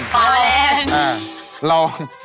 ฟ้าแรง